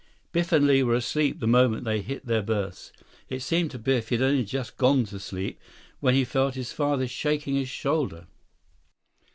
Biff and Li were asleep the moment they hit their berths. It seemed to Biff he had only just gone to sleep when he felt his father shaking his shoulder.